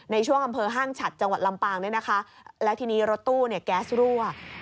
ในช่วงอำเภอห้างฉัดจังหวัดลำปางเนี่ยนะคะแล้วทีนี้รถตู้เนี่ยแก๊สรั่ว